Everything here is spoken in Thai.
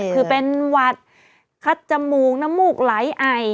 คือเป็นหวัดคัดจมูกน้ำมูกไหลไอ